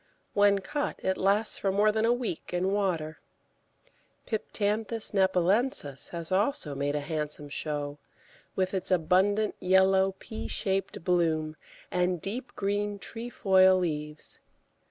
When cut, it lasts for more than a week in water. Piptanthus nepalensis has also made a handsome show, with its abundant yellow, pea shaped bloom and deep green trefoil leaves.